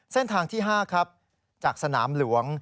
เส้นทางที่๕ครับจากสนามหลวง